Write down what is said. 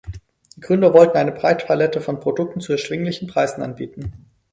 Die Gründer wollten eine breitere Palette von Produkten zu erschwinglichen Preisen anbieten.